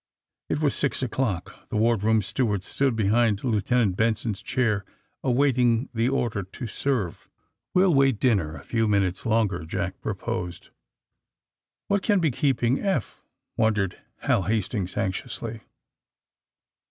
It was six o'clock. The ward room steward stood behind Lieutenant Benson's chair, await ing the order to serve. ^^We'll wait dinner a few minutes longer," Jack proposed. ^^What can be keeping Eph?" wondered Hal Hastings anxiously.